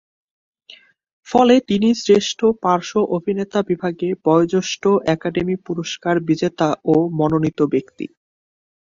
ফলে তিনিই শ্রেষ্ঠ পার্শ্ব অভিনেতা বিভাগে বয়োজ্যেষ্ঠ একাডেমি পুরস্কার বিজেতা ও মনোনীত ব্যক্তি।